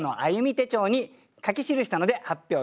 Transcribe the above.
手帳に書き記したので発表いたします。